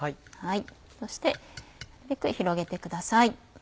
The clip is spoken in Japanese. そして広げてください。